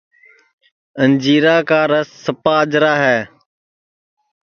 انجیرا کا رس سپا اجرا ہے